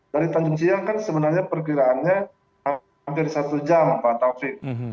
dari tanjung siang kan sebenarnya perkiraannya hampir satu jam pak taufik